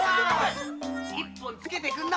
一本つけてくんな！